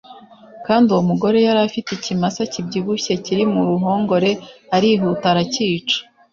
kandi uwo mugore yari afite ikimasa kibyibushye kiri mu ruhongore arihuta aracyica,